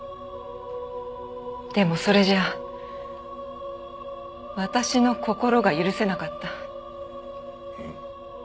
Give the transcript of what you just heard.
でもそれじゃ私の心が許せなかった。